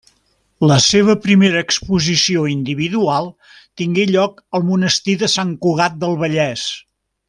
La seva primera exposició individual tingué lloc al Monestir de Sant Cugat del Vallès.